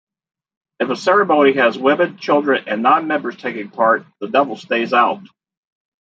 If a ceremony has women, children and non-members taking part, the devil stays out.